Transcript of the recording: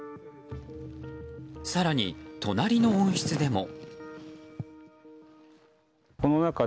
更に、隣の温室でも。